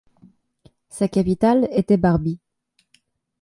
Sa capitale était Barby.